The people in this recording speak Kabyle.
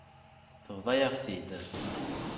Tebḍa-yaɣ-t-id.